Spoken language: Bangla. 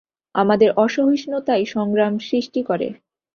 আমাদের অসহিষ্ণুতাই সংগ্রাম সৃষ্টি করে।